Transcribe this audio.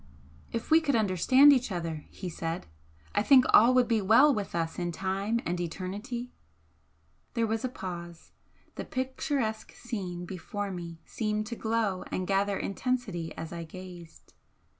"If we could understand each other," he said "I think all would be well with us in time and eternity!" There was a pause. The picturesque scene before me seemed to glow and gather intensity as I gazed.